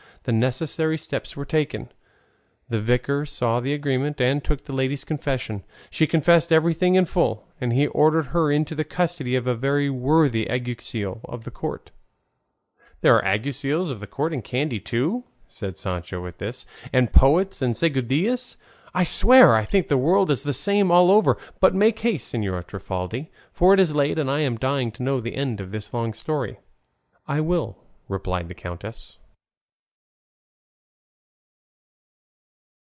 The necessary steps were taken; the Vicar saw the agreement, and took the lady's confession; she confessed everything in full, and he ordered her into the custody of a very worthy alguacil of the court." "Are there alguacils of the court in Kandy, too," said Sancho at this, "and poets, and seguidillas? I swear I think the world is the same all over! But make haste, Señora Trifaldi; for it is late, and I am dying to know the end of this long story." "I will," replied the countess.